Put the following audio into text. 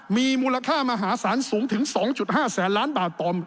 มีมูลค่ามหาศาลสูงถึง๒๕แสนล้านบาทต่อม